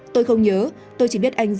tôi không nhớ tôi chỉ biết anh dũng